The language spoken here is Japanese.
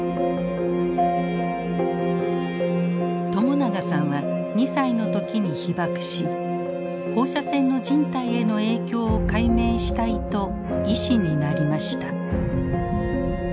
朝長さんは２歳の時に被爆し放射線の人体への影響を解明したいと医師になりました。